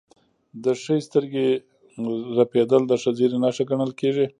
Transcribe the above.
د ښي سترګې رپیدل د ښه زیری نښه ګڼل کیږي.